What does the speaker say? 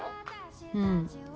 うん。